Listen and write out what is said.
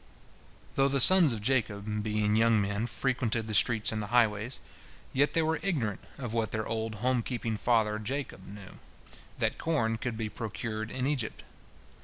Though the sons of Jacob, being young men, frequented the streets and the highways, yet they were ignorant of what their old home keeping father Jacob knew, that corn could be procured in Egypt.